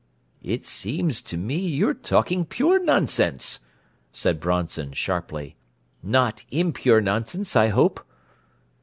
"It seems to me you're talking pure nonsense," said Bronson sharply. "Not impure nonsense, I hope!"